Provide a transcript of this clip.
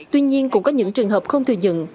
tuy nhiên cũng có những trường hợp không thừa nhận